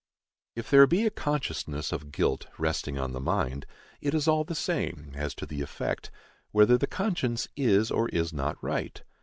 If there be a consciousness of guilt resting on the mind, it is all the same, as to the effect, whether the conscience is or is not right.